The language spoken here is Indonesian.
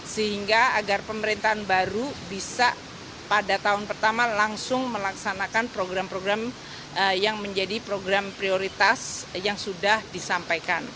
sehingga agar pemerintahan baru bisa pada tahun pertama langsung melaksanakan program program yang menjadi program prioritas yang sudah disampaikan